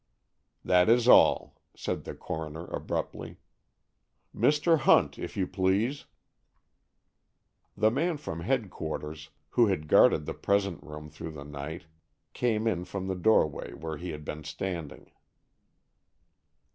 "That is all," said the coroner abruptly. "Mr. Hunt, if you please." The man from headquarters, who had guarded the present room through the night, came in from the doorway where he had been standing.